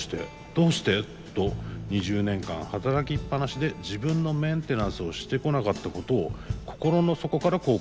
どうして？と２０年間働きっぱなしで自分のメンテナンスをしてこなかったことを心の底から後悔しました。